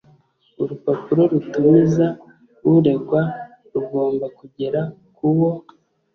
Urupapuro rutumiza uregwa rugomba kugera kuwo